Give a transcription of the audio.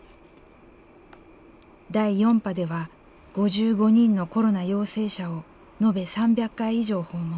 第４波では５５人のコロナ陽性者を延べ３００回以上訪問。